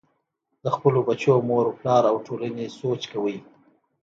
د خپلو بچو مور و پلار او ټولنې سوچ کوئ -